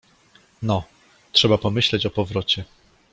— No, trzeba pomyśleć o powrocie.